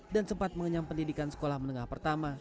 dan sempat mengenyam pendidikan sekolah menengah pertama